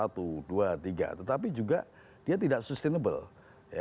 tetapi juga dia tidak sustainable